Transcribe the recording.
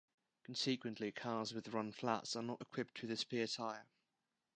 Consequently, cars with run-flats are not equipped with a spare tire.